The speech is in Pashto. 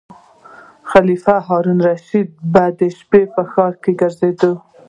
خلیفه هارون الرشید به د شپې په ښار کې ګرځیده.